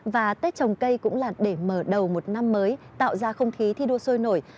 và tết trồng cây cũng là để mở đầu một năm mới tạo ra không khí thi đua sôi nổi